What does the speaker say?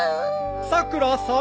さくらさん。